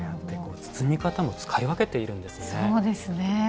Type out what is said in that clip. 包み方も使い分けているんですね。